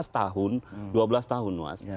lima belas tahun dua belas tahun mas